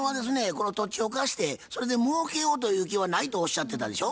この土地を貸してそれでもうけようという気はないとおっしゃってたでしょ？